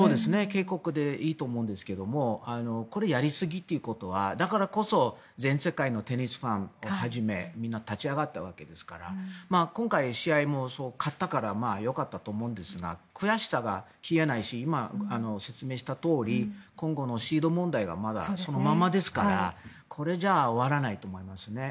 警告でいいと思うんですがこれはやりすぎということはだからこそ全世界のテニスファンをはじめみんな立ち上がったわけですから今回、試合も勝ったからよかったと思うんですが悔しさが消えないし今、説明したとおり今後のシード問題がまだそのままですからこれじゃ終わらないと思います。